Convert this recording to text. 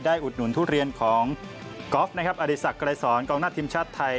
ได้อุดหนุนทุเรียนของกอล์ฟอดีศักดิ์ไกรศรกองหน้าทีมชาติไทย